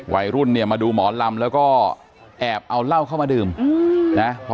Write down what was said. วัยรุ่นเนี่ยมาดูหมอลำแล้วก็แอบเอาเหล้าเข้ามาดื่มนะ